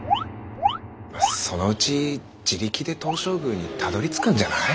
そのうち自力で東照宮にたどりつくんじゃない？